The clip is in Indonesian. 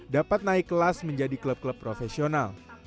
dapat naik kelas menjadi klub klub profesional